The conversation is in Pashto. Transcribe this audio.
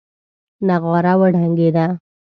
نغاره وډنګېده.